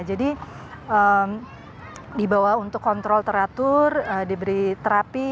jadi dibawa untuk kontrol teratur diberi terapi